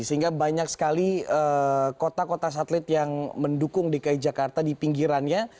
sehingga banyak sekali kota kota satelit yang mendukung dki jakarta di pinggirannya